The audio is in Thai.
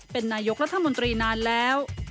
เป็นนายกรัฐมนตรีนานแล้ว